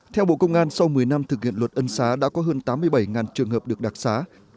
theo bộ công an sau một mươi năm thực hiện luật ân xá đã có hơn tám mươi bảy trường hợp được đặc xá